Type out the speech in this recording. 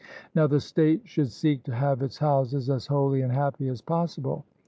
Now the state should seek to have its houses as holy and happy as possible.